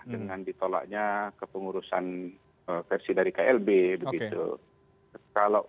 dengan ditolaknya kepengurusan versi dari klb begitu